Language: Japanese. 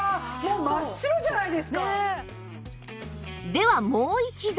ではもう一度